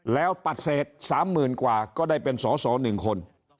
แล้วปฏิเสธ๓๐๐๐กว่าก็ได้เป็นสอสอ๑คน